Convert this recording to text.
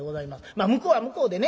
まあ向こうは向こうでね